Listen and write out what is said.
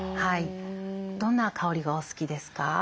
どんな香りがお好きですか？